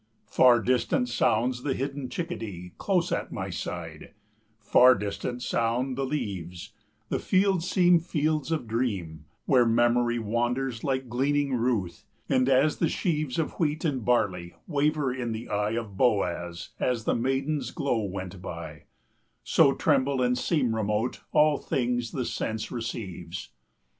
Far distant sounds the hidden chickadee Close at my side; far distant sound the leaves; The fields seem fields of dream, where Memory Wanders like gleaning Ruth; and as the sheaves 25 Of wheat and barley wavered in the eye Of Boaz as the maiden's glow went by, So tremble and seem remote all things the sense receives.